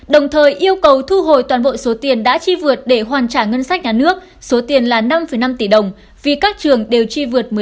đồng thời yêu cầu thu hồi toàn bộ số tiền đã chi vượt để hoàn trả ngân sách nhà nước số tiền là năm năm tỷ đồng vì các trường đều chi vượt một mươi năm